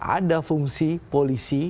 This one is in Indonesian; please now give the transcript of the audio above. ada fungsi polisi